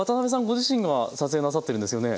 ご自身が撮影なさってるんですよね。